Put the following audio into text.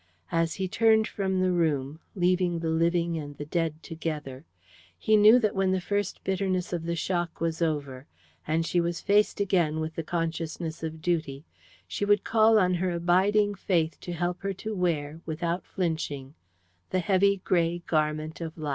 As he turned from the room, leaving the living and the dead together, he knew that when the first bitterness of the shock was over, and she was faced again with the consciousness of duty, she would call on her abiding faith to help her to wear, without flinching, the heavy grey garment of life.